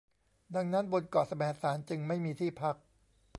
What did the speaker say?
ดังนั้นบนเกาะแสมสารจึงไม่มีที่พัก